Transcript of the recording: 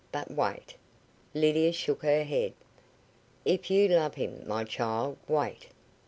But wait." Lydia shook her head. "If you love him, my child, wait.